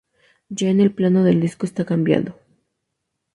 Ya en el plano del disco está cambiando.